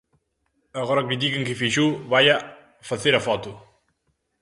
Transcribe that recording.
Agora critican que Feixóo vaia "facer a foto".